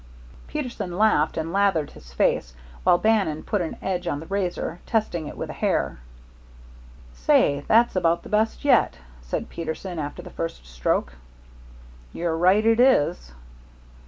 Peterson laughed, and lathered his face, while Bannon put an edge on the razor, testing it with a hair. "Say, that's about the best yet," said Peterson, after the first stroke. "You're right it is."